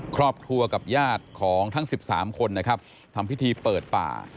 ครอบครัวกับญาติของทั้ง๑๓คนนะครับทำพิธีเปิดป่า